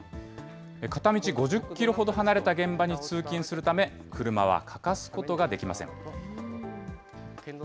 片道５０キロほど離れた現場に通勤するため、車は欠かすことができません。